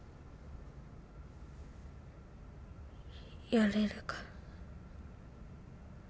やれるから。